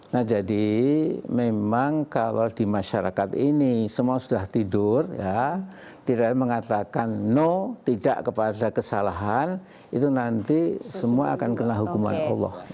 nah jadi memang kalau di masyarakat ini semua sudah tidur ya tidak mengatakan no tidak kepada kesalahan itu nanti semua akan kena hukuman allah